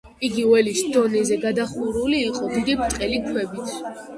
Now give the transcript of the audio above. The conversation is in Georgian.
იგი ველის დონეზე გადახურული იყო დიდი, ბრტყელი ქვებით.